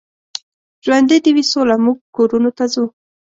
ژوندۍ دې وي سوله، موږ کورونو ته ځو.